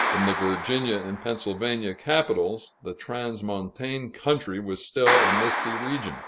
In the Virginia and Pennsylvania capitals, the transmontane country was still a misty region.